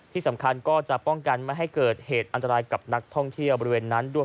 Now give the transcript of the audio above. ที่สำคัญก็จะป้องกันไม่ให้เกิดเหตุอันตรายกับนักท่องเที่ยวบริเวณนั้นด้วย